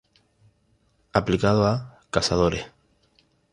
Aplicado a: Cazadores.